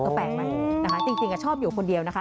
ก็แปลกไหมนะคะจริงชอบอยู่คนเดียวนะคะ